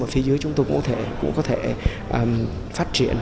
ở phía dưới chúng tôi cũng có thể phát triển